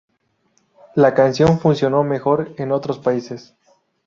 La canción funcionó mejor en otros países.